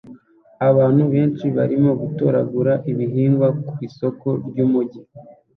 Abantu benshi barimo gutoragura ibihingwa ku isoko ryumujyi